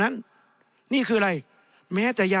ในทางปฏิบัติมันไม่ได้